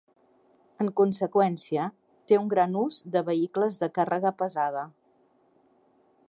En conseqüència, té un gran ús de vehicles de càrrega pesada.